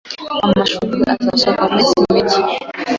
Amashurwe azasohoka muminsi mike.